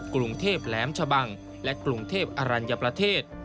กรุงเทพแหลมชะบังและกรุงเทพอรัญญประเทศ